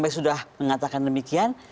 tapi sudah mengatakan demikian